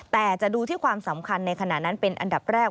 แต่จะดูที่ความสำคัญในขณะนั้นเป็นอันดับแรก